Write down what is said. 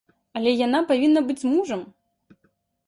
Але яна павінна быць з мужам.